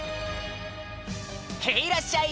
いらっしゃい！